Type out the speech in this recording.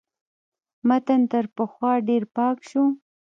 متن تر پخوا ډېر پاک شو.